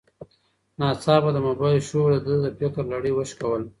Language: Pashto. ناڅاپه د موبایل شور د ده د فکر لړۍ وشکوله.